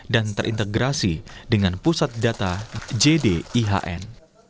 dan terintegrasi dengan pusat data jdihn